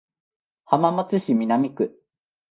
浜松市南区